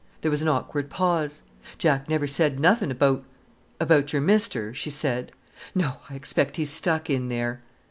There was an awkward pause. "Jack never said nothink about—about your Mester," she said. "No!—I expect he's stuck in there!"